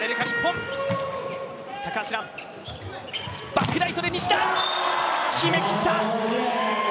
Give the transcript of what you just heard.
バックライトで西田、決めきった！